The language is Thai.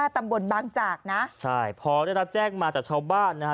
ตำบลบางจากนะใช่พอได้รับแจ้งมาจากชาวบ้านนะฮะ